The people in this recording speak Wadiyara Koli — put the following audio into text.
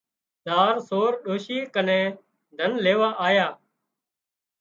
زار سور ڏوشي ڪنين ڌن ليوا آيا